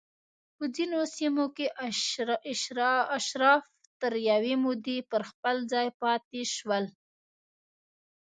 په ځینو سیمو کې اشراف تر یوې مودې پر خپل ځای پاتې شول